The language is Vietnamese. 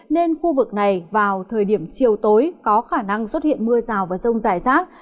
nên khu vực này vào thời điểm chiều tối có khả năng xuất hiện mưa rào và rông rải rác